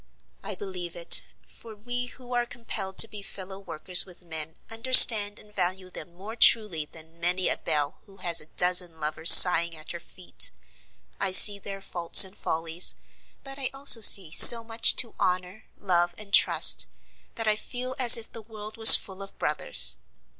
I believe it; for we who are compelled to be fellow workers with men understand and value them more truly than many a belle who has a dozen lovers sighing at her feet. I see their faults and follies; but I also see so much to honor, love, and trust, that I feel as if the world was full of brothers.